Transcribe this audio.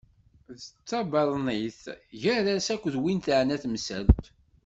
D tabaḍnit gar-as akked win teɛna temsalt.